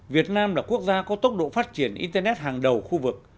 việt nam là quốc gia có tốc độ phát triển internet hàng đầu khu vực